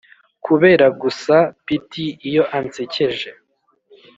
kubera gusa pitty iyo ansekeje